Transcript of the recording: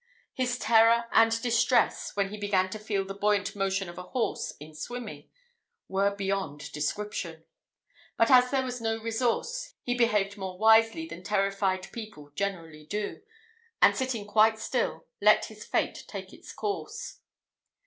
His terror and distress, when he began to feel the buoyant motion of a horse in swimming, were beyond description; but as there was no resource, he behaved more wisely than terrified people generally do, and sitting quite still, let his fate take its course.